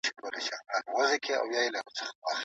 د قلم ځواک تر تورې ډېر دی.